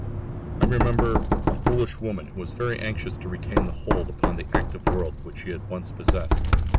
I remember a foolish woman who was very anxious to retain the hold upon the active world which she had once possessed.